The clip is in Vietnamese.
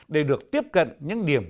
để được tiếp cận những điểm